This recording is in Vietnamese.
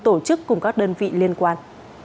tổ chức cùng các đơn vị liên quan